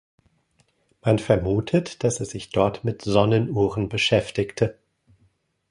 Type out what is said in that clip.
Man vermutet, dass er sich dort mit Sonnenuhren beschäftigte.